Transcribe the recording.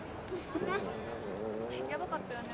ヤバかったよね